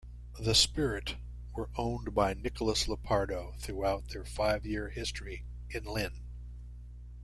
The Spirit were owned by Nicholas Lopardo throughout their five-year history in Lynn.